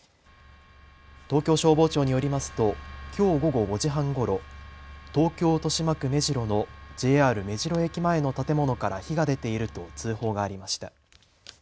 東京消防庁によりますときょう午後５時半ごろ、東京豊島区目白のＪＲ目白駅前の建物から火が出ていると通報がありました。